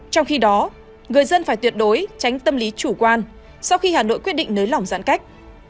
trong khi đó người dân phải tuyệt đối tránh tâm lý chủ quan sau khi hà nội quyết định nới lỏng giãn cách